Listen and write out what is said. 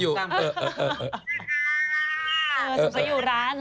อ่านางจ่ายลูกมันอยู่